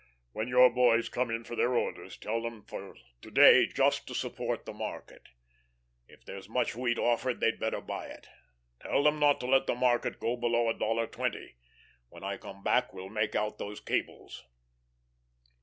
"When your boys come in for their orders, tell them for to day just to support the market. If there's much wheat offered they'd better buy it. Tell them not to let the market go below a dollar twenty. When I come back we'll make out those cables."